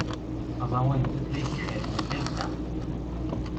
Aẓawan d tutlayt icerken talsa.